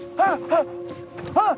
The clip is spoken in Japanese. あっ。